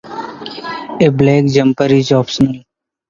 A black jumper is optional.